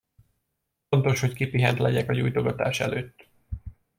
Fontos, hogy kipihent legyek a gyújtogatás előtt.